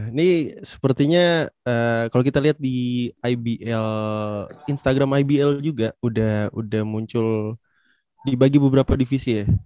ini sepertinya kalau kita lihat di ibl instagram ibl juga udah muncul dibagi beberapa divisi ya